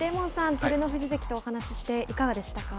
照ノ富士関とお話ししていかがでしたか。